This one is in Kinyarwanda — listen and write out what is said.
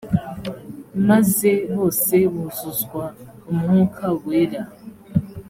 maze bose buzuzwa umwuka wera